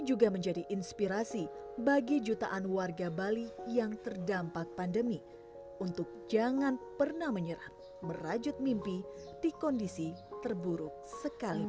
juga menjadi inspirasi bagi jutaan warga bali yang terdampak pandemi untuk jangan pernah menyerah merajut mimpi di kondisi terburuk sekalipun